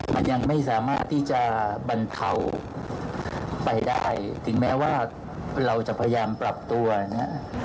มันยังไม่สามารถที่จะบรรเทาไปได้ถึงแม้ว่าเราจะพยายามปรับตัวนะฮะ